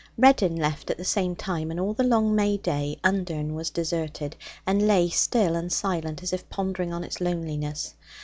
Reddin left at the same time, and all the long May day Undern was deserted, and lay still and silent as if pondering on its loneliness.